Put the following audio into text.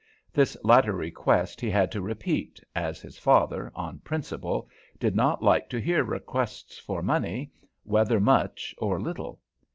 This latter request he had to repeat, as his father, on principle, did not like to hear requests for money, whether much or little.